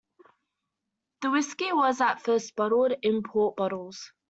The whisky was at first bottled in port bottles.